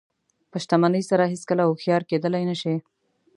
په شتمنۍ سره هېڅکله هوښیار کېدلی نه شئ.